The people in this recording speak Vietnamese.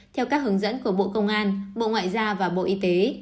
theo các hướng dẫn của bộ công an bộ ngoại giao và bộ y tế